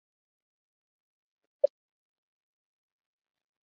De esta etapa destaca Hecateo de Mileto.